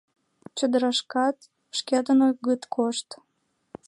Чодырашкат шкетын огыт кошт.